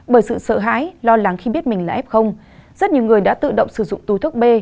bởi sự sợ hãi lo lắng khi biết mình là f rất nhiều người đã tự động sử dụng túi thuốc b